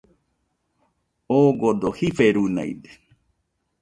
Ogodo jiferunaide